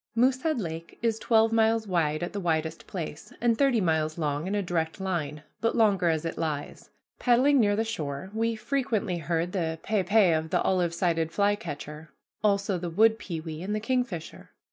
Moosehead Lake is twelve miles wide at the widest place, and thirty miles long in a direct line, but longer as it lies. Paddling near the shore, we frequently heard the pe pe of the olive sided flycatcher, also the wood pewee and the kingfisher.